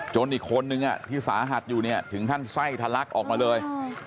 อีกคนนึงที่สาหัสอยู่เนี่ยถึงขั้นไส้ทะลักออกมาเลย